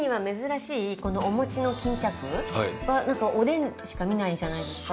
このお餅の巾着はおでんでしか見ないじゃないですか。